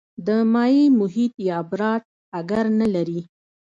د مایع محیط یا براټ اګر نه لري.